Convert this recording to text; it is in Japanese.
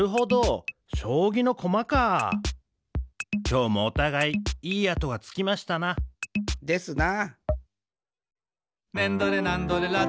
きょうもおたがいいい跡がつきましたな。ですな。